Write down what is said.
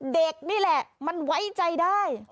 เด็กนี่แหละมันไว้ใจได้